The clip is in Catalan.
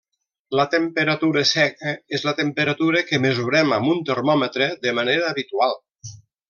La temperatura seca és la temperatura que mesurem amb un termòmetre de manera habitual.